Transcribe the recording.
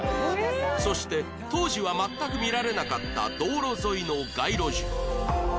そして当時は全く見られなかった道路沿いの街路樹